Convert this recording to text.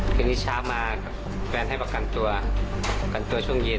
ทีนี้เช้ามาแฟนให้ประกันตัวประกันตัวช่วงเย็น